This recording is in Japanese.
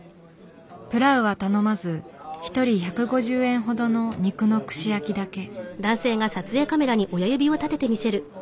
プラウは頼まず一人１５０円ほどの肉の串焼きだけ。